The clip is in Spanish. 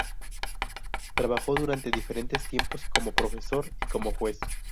Trabajó durante diferentes tiempos como profesor y como juez.